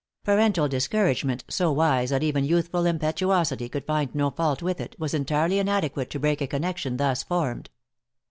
Parental discouragement, so wise that even youthful impetuosity could find no fault with it, was entirely inadequate to break a connection thus formed.